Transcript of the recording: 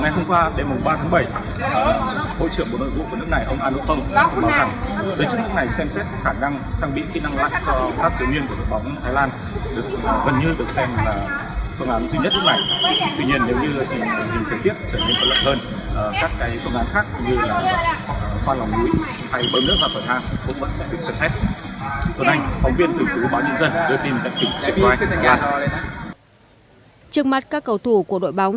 trước mắt các cầu thủ của đội bóng